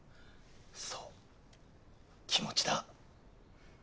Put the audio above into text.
そう気持ちだ。